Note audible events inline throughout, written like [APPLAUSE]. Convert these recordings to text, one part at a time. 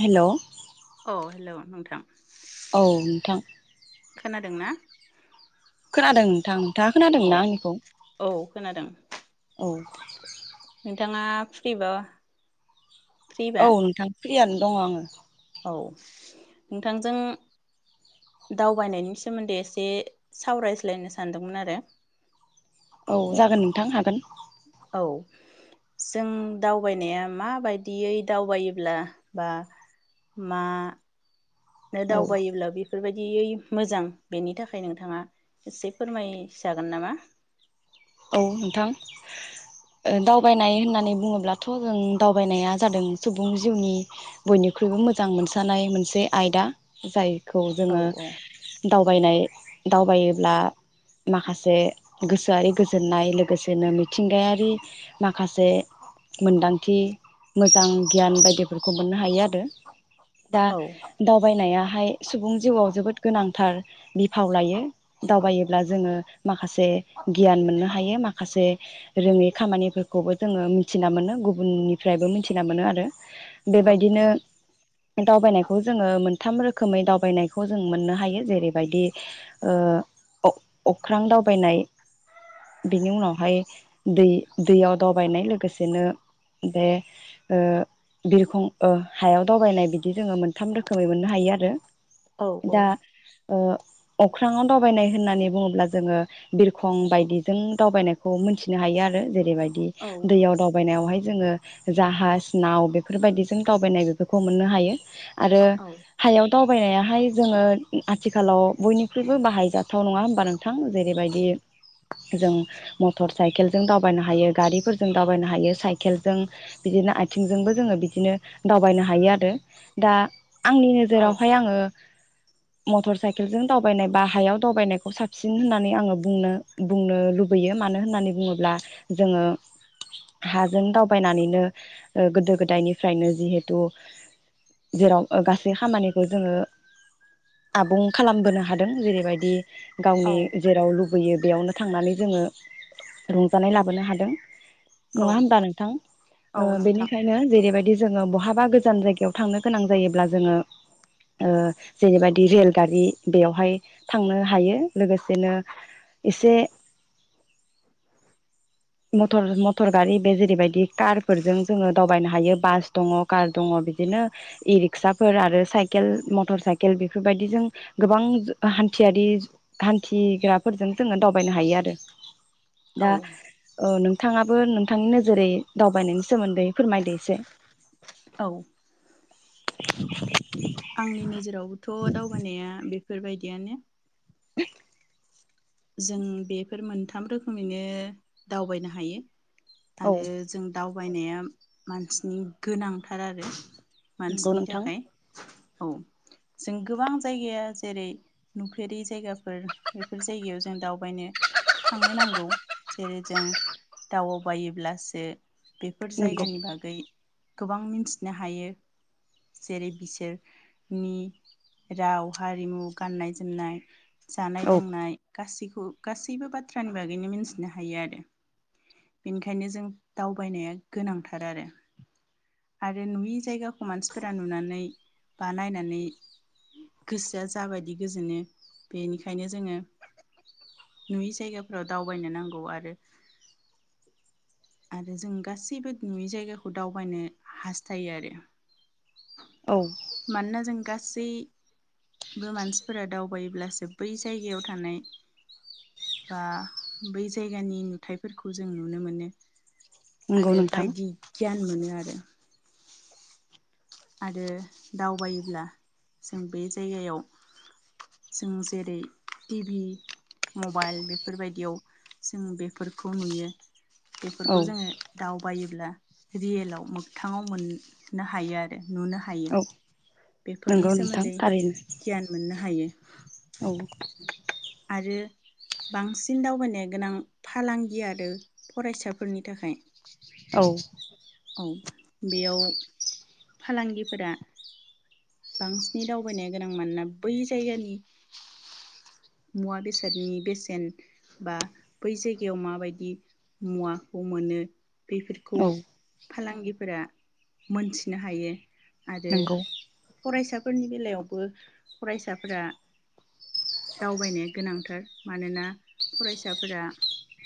Hello औ हेल नोंथां नोंथां खोनादों ना? खोनादों नोंथां नोंथाङा औ खोनादोंना आंनिखौ? औ खोनादों औ नोंथाङा फ्रिबा फ्रिबा औ नोंथां फ्रियानो दङ आङो। औ नोंथांजों दावबायनायनि सोमोन्दै एसे सावरायज्लायनो सानदोंमोन आरो। औ जागोन नोंथां हागोन। औ जों दावबायनाया माबायदियै दावबायोब्ला बा मा औ दावबायोब्ला बेफोरबाय दियै मोजां बेनि थाखाय नोंथाङा एसे फोरमायजागोन नामा? औ नोंथां ओ दावबायनाय होननानै बुङोब्लाथ जों दावबायनाया जादों सुबुं जिउनि बयनिख्रुइबो मोजां मोनसानाय मोनसे आयदा। जाय खौ औ जोङो औ दावबायनाय दावबायोब्ला माखासे गोसोआरि गोसो गोजोननाय लोगोसेनो मिथिंगायारि माखासे मोन्दांथि मोजां गियान बायदिफोरखौ मोननो हायो आरो। दा औ दावबायनाया हाय सुबुं जिउआव जोबोद गोनांथार बिफाव लायो। दावबायोब्ला जोङो माखासे गियान मोननो हा हायो माखासे रोङै खामानिफोरखौबो जोङो मिथिना मोनो गुबुननिफ्रायबो मिथिना मोनो आरो बेबायदिनो दावबायनायखौ जोङो मोनथाम रोखोमै दावबायनायखौ जों मोननो हायो जेरैबायदि ओ अख्रां दावबायनाय बेनि उनावहाय दै दैयाव दावबायनाय लोगोसेनो बे ओ बिरखं ओ हायाव दावबायनाय बिदि जोङो मोनथाम रोखोमै मोननो हायो आरो। औ औ दा ओ अख्रांआव दावबायनाय होननानै बुङोब्ला जोङो बिरखं बायदि जों दावबायनायखौ मोनथिनो हायो आरो जेरैबाय दि औ दैयाव दावबायनायावहाय जोङो जाहाज नाव बेफोरबायदिजों दावबायनाय बेफोरखौ मोननो हायो। आरो हायाव दावबायनायाहाय जोङो आथिखालाव बयनिख्रुइबो बाहायजाथाव नङा होमबा नोंथां जेरैबायदि जों मटर साइकेलजों दावबायनो हायो गारिफोरजों दावबायनो हायो साइकेलजों बिदिनो आथिंजोंबो जोङो बिदिनो दावबायनो हायो आरो दा आंनि औ नोजोरावहाय आङो मटर साइकेलजों दावबायनाय बा हायाव दावबायनायखौ साबसिन होननानै आङो बुंनो बुंनो लुबैयो मानो होननानै बुङोब्ला जोङो हाजों दावबायनानैनो ओ गोदो गोदायनिफ्रायनो जिहेथु जेराव गासै खामानिखौ जोङो आबुं खालामबोनो हादों जेरैबायदि गावनि औ जेराव लुब बैयो बेयावनो थांनानै जोङो रंजानाय लाबोनो हादों औ नङा होमबा नोंथां ओ औ नोंथां बेनिखायनो जेरैबायदि जोङो बहाबा गोजान जायगायाव थांनो गोनां जायोब्ला जोङो ओ जेरैबायदि रेलगारि बेयावहाय थांनो हायो लोगोसेनो एसे मटर मटर गारि बे जेरैबायदि कारफोरजों जोङो दावबायनो हायो बास दङ कार दङ बिदिनो इ रिक्साफोर आरो साइकेल मटर साइकेल बेफोरबायदि जों गोबां हान्थियारि हान्थिग्राफोरजों जोङो दावबायनो हायो आरो दा औ औ नोंथाङाबो नोंथांनि नोजोरै दावबायनायनि सोमोन्दै फोरमायदो एसे [INAUDIBLE] औ आंनि नोजोरावबोथ' दावबायनाया बे बेफोरबायदियानो [INAUDIBLE] जों बेफोर मोनथाम रोखोमैनो दावबायनो हायो औ आरो जों दाउ बायनाया मानसिनि गोनांथार आरो नंगौ मानसिनि नोंथां थाखाय औ जों गोबां जायगाया जेरै नुफेरि जायगाफोर बेफोर जायगायाव जों दावबायनो थांनो नांगौ जेरै जों दाउबायोब्लासो बेफोर नंगौ जायगानि बागै गोबां मिन्थिनो हायो जेरै बिसोरनि राव हारिमु गाननाय जोमनाय जानाय औ लोंनाय गासैखौ गासैबो बाथ्रानि बागैनो मिथिनो हायो आरो बेनिखायनो जों दावबायनाया गोनांथार आरो आरो नुयै जायगाखौ मानसिफोरा नुनानै बा नायनानै गोसोआ जाबायदि गोजोनो बेनिखायनो जोङो नुयै जायगाफोराव दावबायनो नांगौ आरो आरो जों गासैबो नुयै जायगाखौ दावबायनो हास्थायो आरो औ मानोना जों गासैबो मानसिफोरा दावबायोब्लासो बै जायगायाव थानाय बा बै जायगानि नुथायाइफोरखौ जों नुनो मोनो नंगौ आरोे नोंथां बायदि गियान मोनो आरो आरो दावबायोब्ला जों बे जायगायाव जों जेरै टिभि मबाइल बेफोरबायदियाव जों बेफोरखौ नुयो बेफोरखौ औ जोङो दाउ बायोब्ला रियेलाव मोगथाङाव मोननो हायो आरो नुनो हायो औ बेफोरनि नंगौ नोंथां सोमोन्दै थारैनो गियान मोननो हा हायो औ आरो बांसिन दावबायनाय गोनां फालांगि आरो फरायसाफोरनि थाखाय औ औ बेयाव फालांगिफोरा बांसिनै दावबायनो गोनां मानोना बै जायगानि मुवा बेसादनि बेसेन बा बै जायगायाव माबायदि मुवाखौ मोनो बेफोरखौ औ फालांगिफोरा मोनथिनो हायो आरो नंगौ फरायसा फोरनि बेलायावबो फरायसाफोरा दावबायनो गोनांथार मानोना फरायसाफोरा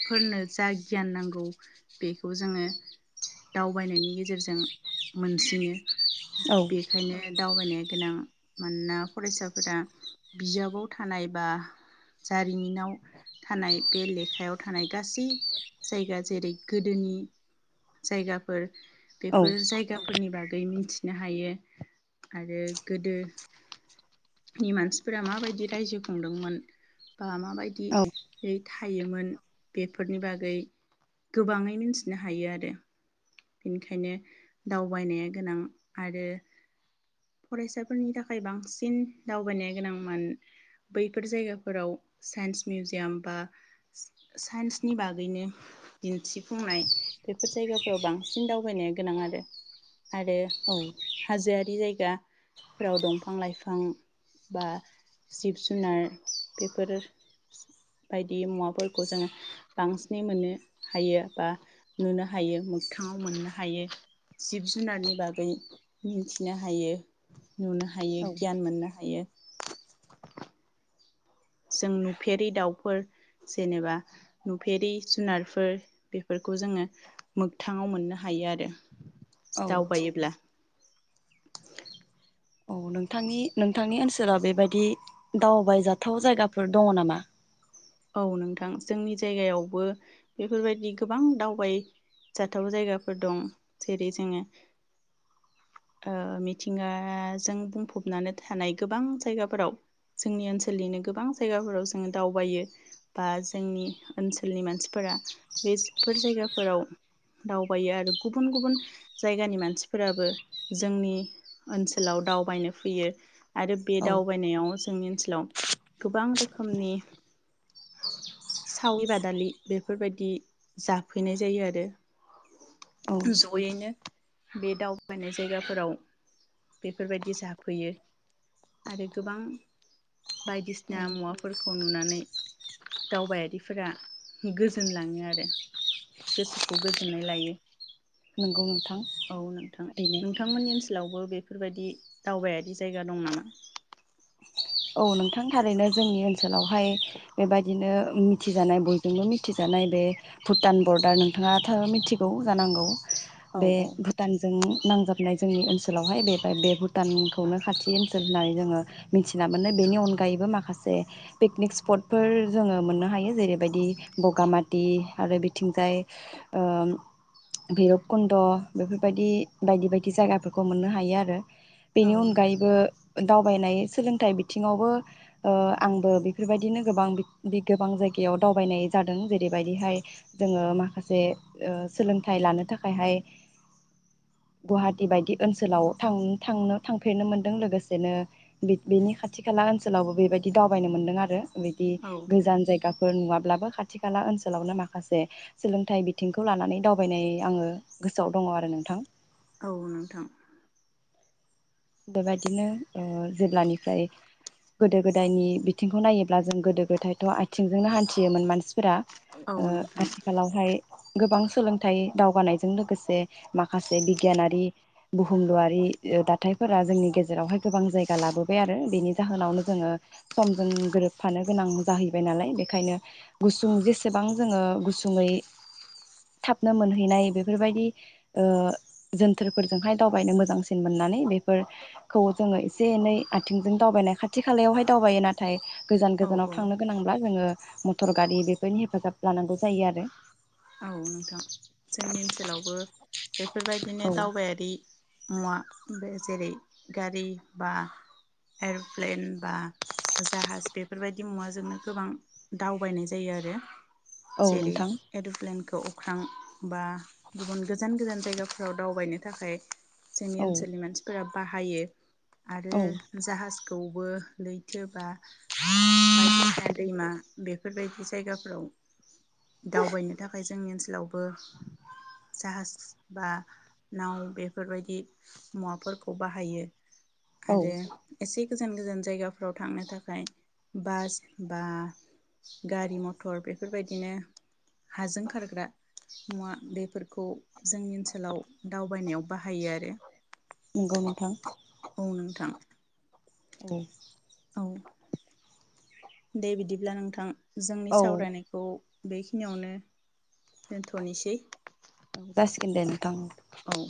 फोरनो जा गियान नांगौ बेखौ जोङो दावबायनायनि गेजेरजों मोनसिनो औ बेखायनो दाउ दावबायनो गोनां मानोना फरायसाफोरा बिजाबाव थानाय बा जारिमिनाव थानाय बे लेखायाव थानाय गासै जायगा जेरै गोदोनि जायगाफोर औ बेफोर जायगाफोरनि बागै गै मिथिनो हायो आरो गोदोनि मानसिफोरा माबायदि रायजो खुंदोंमोन ओ बा औ माबायदियै थायोमोन बेफोरनि बागै गोबाङै मिथिनो हायो आरो बेनिखायनो दावबायनाया गोनां आरो फरायसाफोरनि थाखाय बांसिन दावबायनाया गोनां म बैफोर जायगाफोराव साइन्स मिउजियाम बा साइन्सनि बागैनो दिन्थि बुंनाय बैफोर जायगाफोराव बां बांसिन दावबायनाया गोनां आरो आरो औ हाजोआरि जायगा गाफ्राव दंफां लाइफां बा जिब जुनार बेफोर बायदि मुवाफोरखौ जों बांसिनै मोननो हायो बा नुनो हायो मोगथाङाव मोननो हायो जिब जुनारनि बागै मिथिनो हायो नुनो हायो औ गियान मोननो हायो जों नुफेरै दाउफोर जेनेबा नुफेरै जुनारफोर बेफोरखौ जोङो मोगथाङाव मोननो हायो आरो औ दावबायोब्ला [INAUDIBLE] औ नोंथांनि नोंथांनि ओनसोलाव बेबायदि दावबायजाथाव जायगाफोर दङ नामा औ नोंथां जोंनि जायगायावबो बेफोरबायदि गोबां दावबायजाथाव जायगाफोर दं जेरै जोङो ओ मिथिंगाजों बुंफबनानै थानाय गोबां जायगाफोराव जोंनि ओनसोलनिनो गोबां जायगाफोराव जोङो दावबायो बा जोंनि ओनसोलनि मानसिफोरा बेफोर जायगाफोराव दावबायो आरो गुबुन गुबुन जायगानि मानसिफोराबो जोंनि ओनसोलाव दावबायनो फैयो आरो बे औ दावबायनायाव जोंनि ओनसोलाव गोबां रोखोमनि सावलि बादालि बेफोरबायदि जाफैनाय जायो आरो औ जयैनो बे दावबायनाय जायगाफोराव बेफोरबायदि जाफैयो आरो गोबां औ बायदिसिना मुवाफोरखौ नुनानै दावबायारिफोरा गोजोनलाङो आरो गोसोखौ गोजोननाय लायो नंगौ नोंथां औ नोंथां थारैनो नोंथांमोननि ओनसोलावबो बेफोरबायदि दावबायारि जायगा दं नामा औ नोंथां थारैनो जोंनि ओनसोलावहाय बेबायदिनो मिथिजानाय बयजोंबो मिथिजानाय बे भुटान बर्डार नोंथाङा थ मिथिगौ जानांगौ औ बे औ भुटानजों नांजाबनाय जोंनि ओनसोलावहाय बे बे भुटानखौनो खाथि ओनसोल होननानै जोङो मिथि थिना मोनो बेनि अनगायैबो माखासे पिकनिक स्पटफोर जोङो मोननो हायो जेरैबायदि बगामाथि आरो बिथिंजाय ओ भैरबकुन्द बेफोरबायदि बायदि बायदि जायगाफोरखौ मोननो हायो आरो औ बेनि नोंथां अनगायैबो दावबायनाय सोलों फाइ बिथिङावबो ओ आंबो बेफोरबायदिनो गोबां बे गोबां जायगायाव दावबायनाय जादों जेरैबायदिहाय जोङो माखासे ओ सोलोंथाइ लानो थाखायहाय गुवाहाटि बायदि ओनसोलाव‌ थांनो थांफेरनो मोनदों लोगोसेनो बेनि खाथि खाला ओनसोलावबो बेबायदि दावबायनो मोन्दों आरो बिदि औ गोजान जायगा फोर नुवाब्लाबो खाथि खाला ओनसोलावनो माखासे सोलोंथाइ बिथिंखौ लानानै दावबायनाय आङो गोसोआव दङ आरो नोंथां औ नोंथां बेबायदिनो ओ जेब्लानिफ्राय गोदो गोदायनि बिथिंखौ नायोब्ला जों गोदो गोदायथ' आथिंजोंनो हान्थियोमोन मानसि फोरा औ ओ नोंथां आथिखालावहाय गोबां सोलोंथाइ दावगानायजों लोगोसे माखासे बिगियानारि बुहुमलुआरि हााथाइफोरा जोंनि गेजेरावहाय गोबां जायगा लाबोबाय आरो बेनि जाहोनावनो जोङो समजों गोरोबफानो गोनां जाहैबाय नालाय बेनिखायनो गुसुं जेसेबां जोङो गुसुङै थाबनो मोनहैनाय बेफोरबायदि जोनथोरफोरजोंहाय दावबायनो मोजांसिन मोननानै बे फोरखौ जोङो एसे एनै आथिंजों दावबायनाय खाथि खालायावहाय दावबायो नाथाय गोजान औ गोजानाव औ थांनो गोनांब्ला जोङो मटर गारि बेफोरनि हेफाजाब लानांगौ जायो आरो औ नोंथां जोंनि ओनसोलावबो बेफोरबायदिनो औ दावबायारि मुवा बे जेरै गारि बा एर'प्लेन बा जाहाज बेफोरबायदि मुवाजोंनो गोबां दावबायनाय जायो आरो औ जेरै नोंथां एर'प्लेन बेखौ अख्रां बा गुबुन गोजान गोजान जायगाफोराव दावबायनो थाखाय जोंनि औ ओनसोलनि मानसिफोरा बाहायो आरो औ जाहाज खौबो लैथोबा बायदिसिना दैमा बेफोरबायदि जायगाफोराव दावबायनो थाखाय जोंनि ओनसो सोलावबो जाहाज बा नाव बेफोरबायदि मुवाफोरखौ बाहायो औ आरो एसे गोजान गोजान जायगाफ्राव थांनो थाखाय बास बा गारि मथर बेफोरबायदिनो हाजों खारग्रा मुवा बेफोरखौ जोंनि ओनसोलाव दावबायनायाव बाहायो आरो नंगौ नोंथां औ नोंथां उम औ दे बिदिब्ला नोंथां जोंनि औ सावरायनायखौ बेखिनियावनो दोनथ'नोसै जासिगोनदे नोंथां [INAUDIBLE] औ